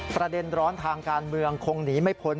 ประเด็นร้อนทางการเมืองคงหนีไม่พ้น